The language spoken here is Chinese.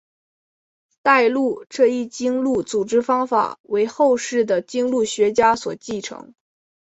代录这一经录组织方法为后世的经录学家所继承。